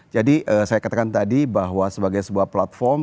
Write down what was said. jadi saya katakan tadi bahwa sebagai sebuah platform